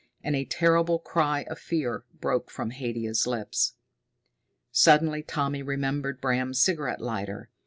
And a terrible cry of fear broke from Haidia's lips. Suddenly Tommy remembered Bram's cigarette lighter.